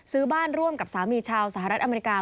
ซื้อบ้านร่วมกับสามีชาวสหรัฐอเมริกา